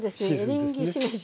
エリンギしめじ